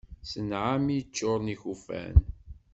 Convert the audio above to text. S nnɛami ččuren ikufan.